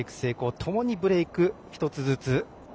ともにブレイク１つずつ。